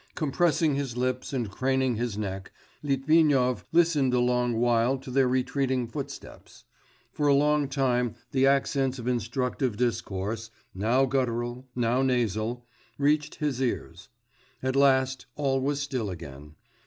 Compressing his lips and craning his neck, Litvinov listened a long while to their retreating footsteps; for a long time the accents of instructive discourse now guttural, now nasal reached his ears; at last, all was still again.